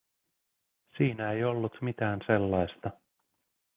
Siinä ei ollut mitään sellaista.